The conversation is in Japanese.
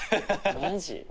マジ？